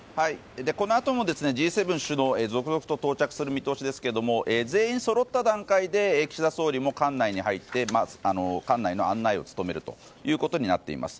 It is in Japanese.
このあともＧ７首脳続々と到着する見通しですが全員そろった段階で岸田総理も館内に入って案内を務めることになっています。